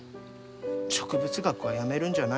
植物学はやめるんじゃない？